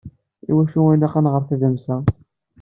Iwacu i ilaq ad nɣer tadamsa?